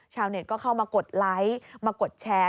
ชาวเน็ตก็เข้ามากดไลค์มากดแชร์